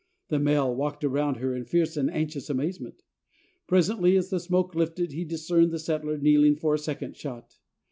The male walked around her in fierce and anxious amazement. Presently, as the smoke lifted, he discerned the settler kneeling for a second shot.